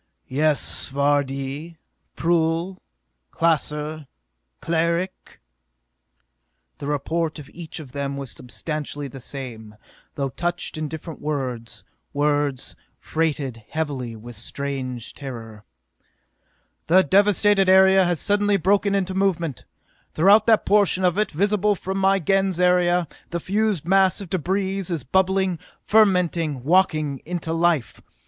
"Yes, Vardee? Prull? Klaser? Cleric?" The report of each of them was substantially the same, though couched in different words, words freighted heavily with strange terror. "The devasted area has suddenly broken into movement! Throughout that portion of it visible from my Gens area, the fused mass of debris is bubbling, fermenting, walking into life!